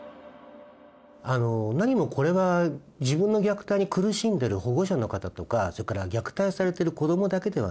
何もこれは自分の虐待に苦しんでる保護者の方とかそれから虐待されてる子どもだけではなくてですね